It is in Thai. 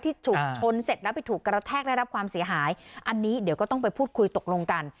ที่ถูกชนเสร็จแล้วไปถูกกระแทกได้รับความเสียหายอันนี้เดี๋ยวก็ต้องไปพูดคุยตกลงกัน